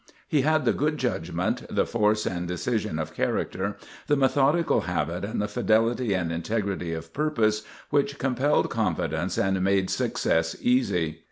He had the good judgment, the force and decision of character, the methodical habit and the fidelity and integrity of purpose which compelled confidence and made success easy.